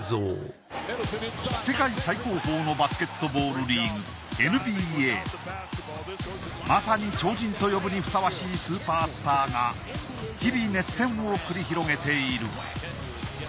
世界最高峰のバスケットボールリーグまさに超人と呼ぶにふさわしいスーパースターが日々熱戦を繰り広げている。